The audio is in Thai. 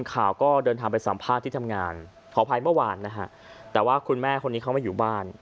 ขอบภัยเมื่อวานนะฮะแต่ว่าคุณแม่คนนี้เข้ามาอยู่บ้าน